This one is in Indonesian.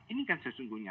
ini kan sesungguhnya